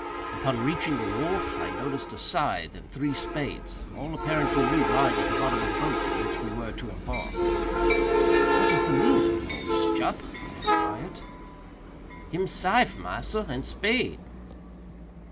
Upon reaching the wharf, I noticed a scythe and three spades, all apparently new, lying in the bottom of the boat in which we were to embark. "What is the meaning of all this, Jup?" I inquired. "Him syfe, massa, and spade."